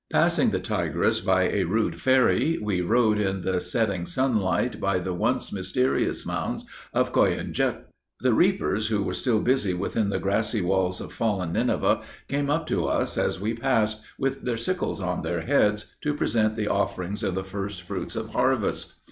Passing the Tigris by a rude ferry, we rode in the setting sunlight by the once mysterious mounds of Koyunjik. The reapers who were still busy within the grassy walls of fallen Ninevah, came up to us as we passed, with their sickles on their heads, to present the offering of the first fruits of harvest.